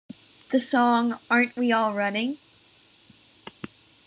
The song Aren't We All Running?